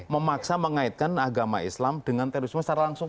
memaksa mengaitkan agama islam dengan terorisme secara langsung